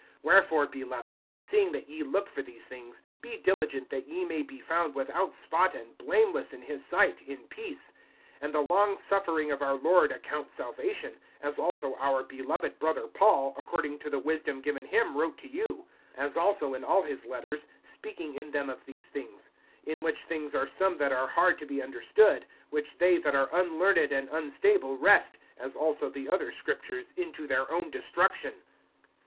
(14)Wherefore, beloved, seeing that ye look for these things, be diligent that ye may be found without spot and blameless in his sight, in peace. (15)And the long suffering of our Lord account salvation; as also our beloved brother Paul, according to the wisdom given him, wrote to you; (16)as also in all his letters, speaking in them of these things; in which things are some that are hard to be understood, which they that are unlearned and unstable wrest, as also the other Scriptures, unto their own destruction.